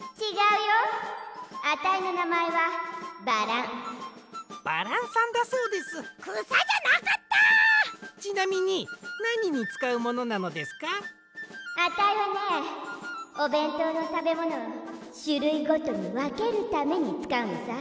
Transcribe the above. あたいはねおべんとうのたべものをしゅるいごとにわけるためにつかうのさ。